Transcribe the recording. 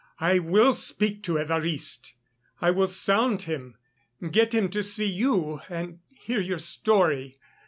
I will speak to Évariste. I will sound him, get him to see you and hear your story.